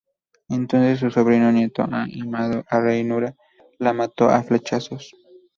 Entonces su sobrino nieto más amado, Aryuna, lo mató a flechazos.